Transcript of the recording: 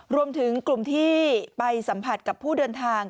รวมถึงกลุ่มที่ไปสัมผัสกับผู้เดินทาง